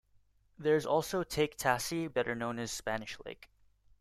There is also Lake Tasse, better known as Spanish Lake.